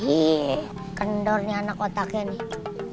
ih kendor nih anak otaknya nih